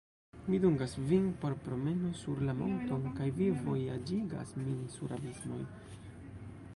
Mi dungas vin por promeno sur la monton, kaj vi vojaĝigas min sur abismoj!